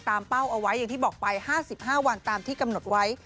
เป้าเอาไว้อย่างที่บอกไป๕๕วันตามที่กำหนดไว้